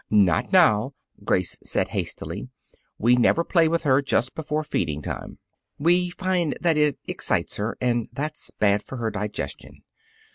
"Not now!" Grace said hastily. "We never play with her just before feeding time. We find that it excites her, and that's bad for her digestion."